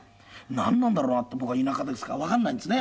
なんなんだろうなって僕は田舎ですからわからないんですね